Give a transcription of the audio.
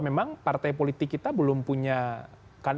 memang partai politik kita belum punya